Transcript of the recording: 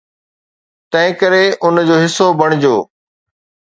تنهنڪري ان جو حصو بڻجو.